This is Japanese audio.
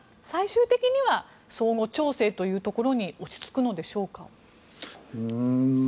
最終的には相互推薦というところに落ち着くのでしょうか？